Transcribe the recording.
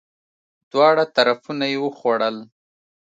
دواړه طرفونه یی وخوړل!